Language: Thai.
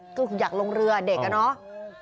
ก็คืออยากลงเรือเด็กอะเนาะ